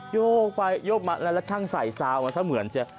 โยกไปโยกมาแล้วช่างใส่ซาวน์มาซะเหมือน